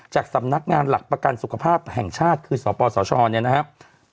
จากสำนักงานหลักประกันสุขภาพแห่งชาติคือสปสชเนี่ยนะครับ